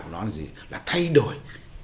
của nó là gì là thay đổi